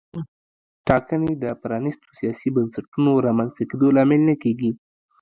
ټاکنې د پرانیستو سیاسي بنسټونو رامنځته کېدو لامل نه کېږي.